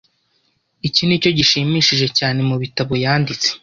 Iki nicyo gishimishije cyane mubitabo yanditse.